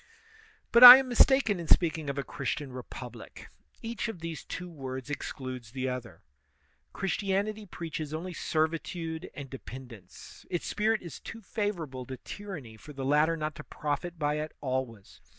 But I am mistaken in speaking of a Christian repub lie; each of these two words excludes the other. Chris tianity preaches only servitude and dependence. Its spirit is too favorable to tyranny for the latter not to profit by it always.